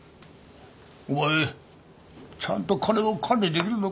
お前ちゃんと金の管理できるのか？